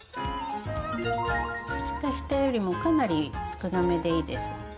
ひたひたよりもかなり少なめでいいです。